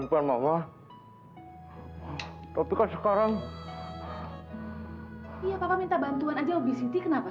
kamu telah melakukan kesalahan besar